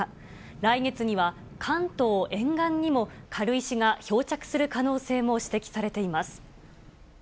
来月には関東沿岸にも軽石が漂着する可能性も指摘されています。